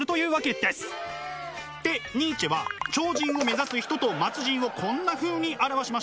でニーチェは超人を目指す人と末人をこんなふうに表しました。